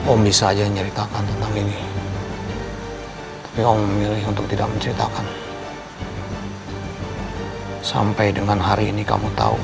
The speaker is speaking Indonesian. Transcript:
oleh seorang penjahat yang bernama dennis tiano